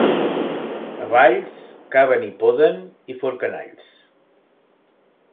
A Valls, caven i poden i forquen alls.